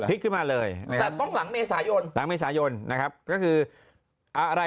ขึ้นมาเลยแต่ต้องหลังเมษายนหลังเมษายนนะครับก็คืออะไร